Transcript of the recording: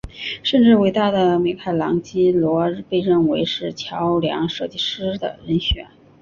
甚至伟大的米开朗基罗被认为是桥梁设计师的人选。